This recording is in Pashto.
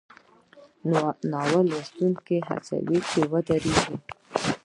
ناول لوستونکی هڅوي چې ودریږي.